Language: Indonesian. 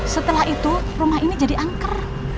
setelah itu rumah ini jadi angker